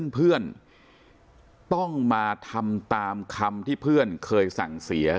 เพื่อนต้องมาทำตามคำที่เพื่อนเคยสั่งเสีย